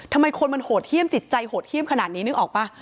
ทำไมคนมันโหดเยี่ยมจิตใจโหดเยี่ยมขนาดนี้นึกออกป่ะ